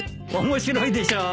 面白いでしょう？